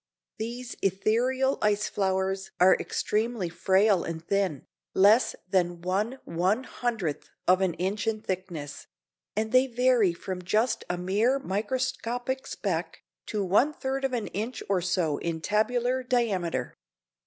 These ethereal ice flowers are extremely frail and thin, less than one one hundredth of an inch in thickness; and they vary from just a mere microscopic speck, to one third of an inch or so in tabular diameter.